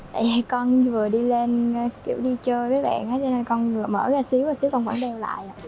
tại vì con vừa đi lên kiểu đi chơi với bạn cho nên con mở ra xíu và xíu con vẫn đeo lại